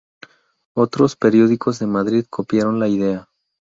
Otros periódicos de Madrid copiaron la idea.